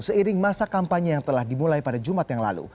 seiring masa kampanye yang telah dimulai pada jumat yang lalu